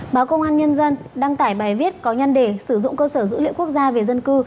báo công an nhân dân đăng tải bài viết có nhăn đề sử dụng cơ sở dữ liệu quốc gia về dân cư